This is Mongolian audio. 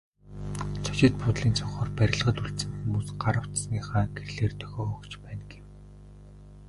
Зочид буудлын цонхоор барилгад үлдсэн хүмүүс гар утасныхаа гэрлээр дохио өгч байна гэв.